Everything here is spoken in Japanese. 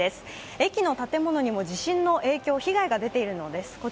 駅の建物にも地震の影響、被害が出ているのです。